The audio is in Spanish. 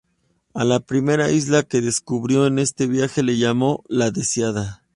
A la primera isla que descubrió en este viaje la llamó la Deseada.